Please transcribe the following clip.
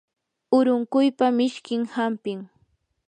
urunquypa mishkin hampim.